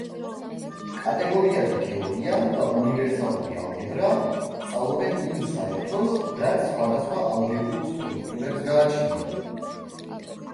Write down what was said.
კატეგორიათა თეორია და უნივერსალური ალგებრა სწავლობენ იმ საერთოს, რაც სხვადასხვა ალგებრულ სტრუქტურებს გააჩნიათ.